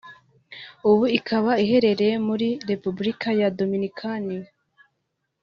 ubu ikaba iherereye muri Repubulika ya Dominikani